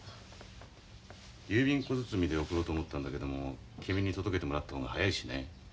郵便小包で送ろうと思ったんだけども君に届けてもらった方が早いしね。